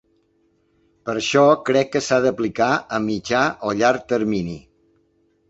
Per això crec que s’ha d’aplicar a mitjà o llarg termini.